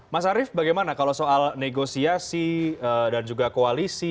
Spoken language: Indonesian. mas arief bagaimana kalau soal negosiasi dan juga koalisi